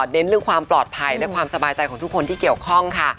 เรื่องความปลอดภัยและความสบายใจของทุกคนที่เกี่ยวข้องค่ะ